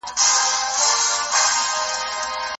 ایا څېړنه د منطقي ترتیب اړتیا لري؟